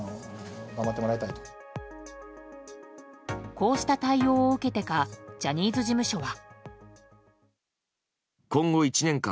こうした対応を受けてかジャニーズ事務所は。